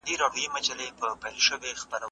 ورور مې په بوڅو شونډو ماته د غوسې نښه وکړه.